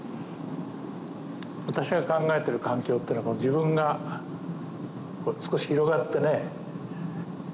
私が考えてる「環境」ってのは自分が少し広がってね。